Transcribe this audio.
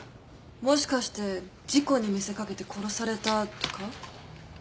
もしかして事故に見せ掛けて殺されたとか？